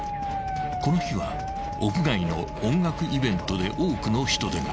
［この日は屋外の音楽イベントで多くの人出が］